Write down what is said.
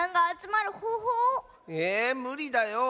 えむりだよ。